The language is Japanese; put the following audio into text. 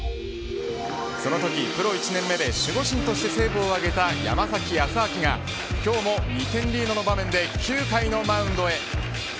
そのときプロ１年目で守護神としてセーブを挙げた山崎康晃が今日も２点リードの場面で９回のマウンドへ。